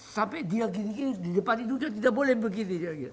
sampai dia gini gini di depan hidungnya tidak boleh begini